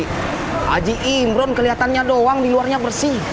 haji imron kelihatannya doang di luarnya bersih